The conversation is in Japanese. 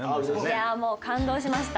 いやあもう感動しました。